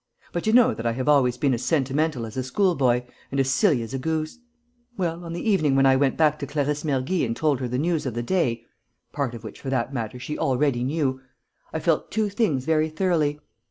But you know that I have always been as sentimental as a schoolboy and as silly as a goose. Well, on the evening when I went back to Clarisse Mergy and told her the news of the day part of which, for that matter, she already knew I felt two things very thoroughly.